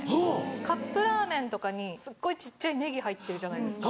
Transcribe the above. カップラーメンとかにすごい小っちゃいネギ入ってるじゃないですか。